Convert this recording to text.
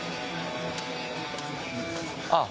あっ！